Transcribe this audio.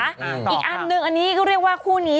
อีกอันหนึ่งอันนี้ก็เรียกว่าคู่นี้